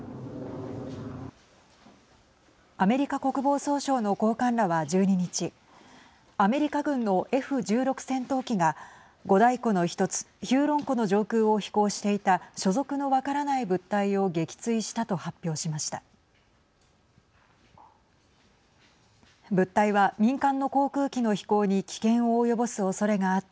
アメリカ国防総省の高官らは１２日アメリカ軍のＦ１６戦闘機が五大湖の１つ、ヒューロン湖の上空を飛行していた所属の分からない物体を撃墜したと発表しました。